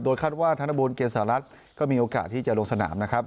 คาดว่าธนบูลเกษารัฐก็มีโอกาสที่จะลงสนามนะครับ